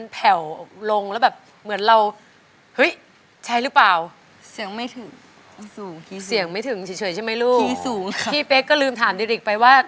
พี่เป๊กก็ลืมถามเด็กไปว่า